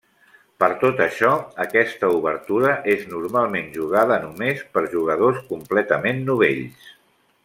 Per tot això, aquesta obertura és normalment jugada només per jugadors completament novells.